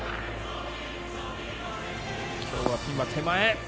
今日はピンは手前！